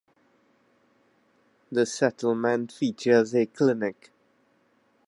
The settlement features a clinic.